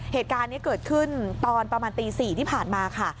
เหตุการณ์นี้เกิดขึ้นตอนประมาณตี๔ที่ผ่านมาค่ะ